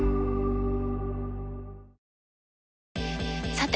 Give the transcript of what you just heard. さて！